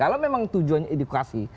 kalau memang tujuannya edukasi